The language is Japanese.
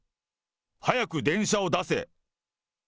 早く電車を出せ。